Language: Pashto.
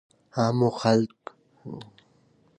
عامو خلکو ته یې آثار ورسېدل.